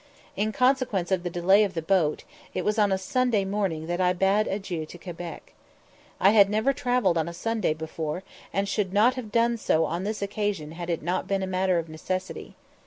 In consequence of the delay of the boat, it was on a Sunday morning that I bade adieu to Quebec. I had never travelled on a Sunday before, and should not have done so on this occasion had it not been a matter of necessity.